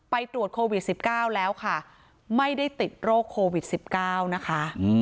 ไปตรวจโควิดสิบเก้าแล้วค่ะไม่ได้ติดโรคโควิดสิบเก้านะคะ